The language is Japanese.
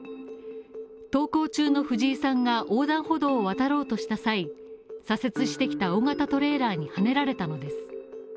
登校中の藤井さんが横断歩道を渡ろうとした際、左折してきた大型トレーラーにはねられたのです。